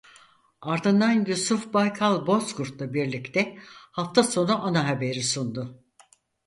Ardından Yusuf Baykal Bozkurt'la birlikte Hafta sonu Ana Haber'i sundu.